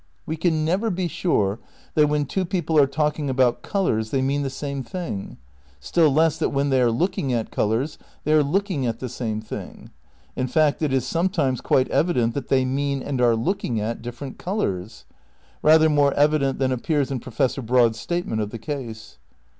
We can never be sure that when two people are talking about colours they mean the same thing, still less that when they are looking at colours they are looking at the same thing. In fact it is sometimes quite evident that they mean and are looking at differ ent colours. Eather more evident than appears in Pro fessor Broad's statement of the case.